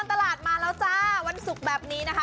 ตลาดมาแล้วจ้าวันศุกร์แบบนี้นะคะ